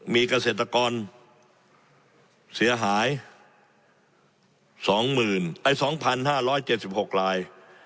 มีเกษตรกรเสียหายสองหมื่นเอ่ยสองพันห้าร้อยเจ็ดสิบหกลาย